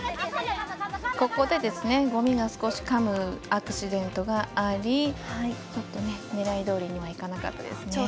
ここでごみが少しかむアクシデントがありちょっと狙いどおりにはいかなかったですね。